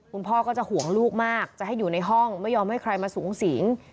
คุณพ่อก็จะห่วงลูกมากจะให้อยู่ในห้องไม่ยอมให้ใครมาสูงสิง